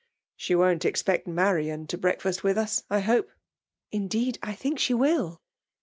" She won t expect Marian to break&st w&ih us, I hope ?^" Indeed I think she will.